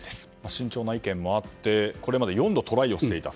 慎重な意見もあってこれまで４度トライをしていた。